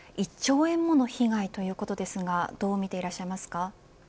１兆円もの被害ということですがどう見ていらっしゃいますか。